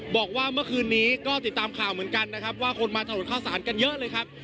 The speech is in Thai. บอกว่าเมื่อคืนนี้ก็ติดตามข่าวเหมือนกันนะครับว่าคนมาถนนข้าวสารกันเยอะเลยครับ